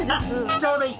ちょうどいい！